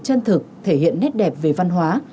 chân thực thể hiện nét đẹp về văn hóa